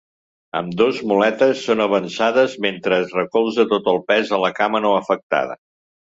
Ambdós muletes són avançades mentre es recolza tot el pes a la cama no afectada.